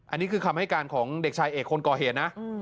อันนี้คือคำให้การของเด็กชายเอกคนก่อเหตุนะ